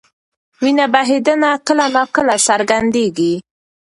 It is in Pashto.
وینه بهېدنه کله ناکله څرګندېږي.